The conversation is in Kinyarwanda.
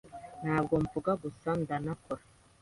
ntabwo mvuga gusa ndanakora